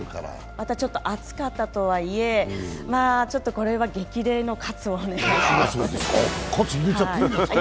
またちょっと暑かったとはいえこれは激励の喝を。